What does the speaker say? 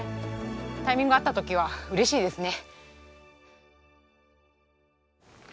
タイミング合った時はうれしいですね。